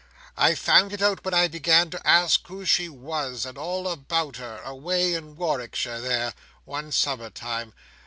I found it out when I began to ask who she was, and all about her, away in Warwickshire there, one summer time.